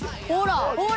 ほら。